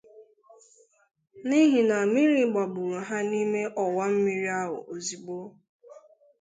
n'ihi na mmiri gbàgbùrù ha n'ime ọwa mmiri ahụ ozigbo